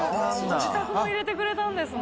ご自宅も入れてくれたんですね。